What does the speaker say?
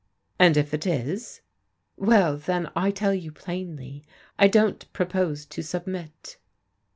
" "And if it is?" " Well, then, I tell you plainly, I don't propose to sub mit."